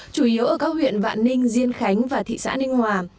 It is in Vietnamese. chủ yếu ở các huyện vạn ninh diên khánh và thị xã ninh hòa